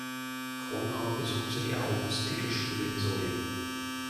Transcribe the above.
Gronauer besuchte die August-Dicke-Schule in Solingen.